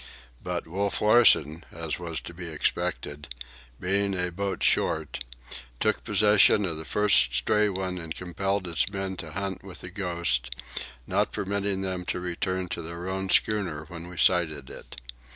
But Wolf Larsen, as was to be expected, being a boat short, took possession of the first stray one and compelled its men to hunt with the Ghost, not permitting them to return to their own schooner when we sighted it.